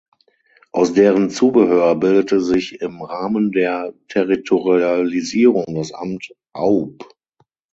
Aus deren Zubehör bildete sich im Rahmen der Territorialisierung das Amt Aub.